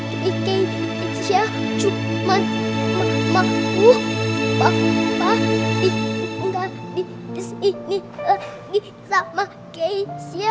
tapi keisha cuma mau papa tinggal disini lagi sama keisha